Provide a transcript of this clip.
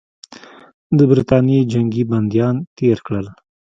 د برټانیې جنګي بندیان تېر کړل.